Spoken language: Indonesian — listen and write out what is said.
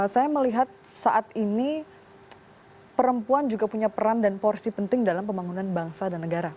saya melihat saat ini perempuan juga punya peran dan porsi penting dalam pembangunan bangsa dan negara